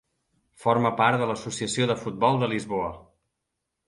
Forma part de l'Associació de Futbol de Lisboa.